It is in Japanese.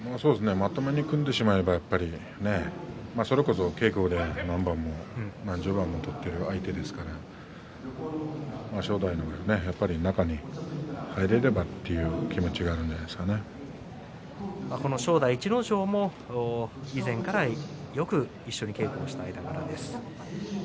まともに組んでしまえばそれこそ稽古で何番も何十番も取っている相手ですから正代の方がやっぱり中に入れればという気持ちがこの正代逸ノ城も以前からよく一緒に稽古をしている間柄です。